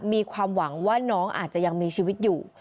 มีความหวังว่าน้องอาจจะยังมีชีวิตอยู่